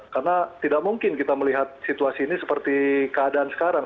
karena tidak mungkin kita melihat situasi ini seperti keadaan sekarang